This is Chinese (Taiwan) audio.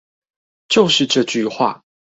就是這句話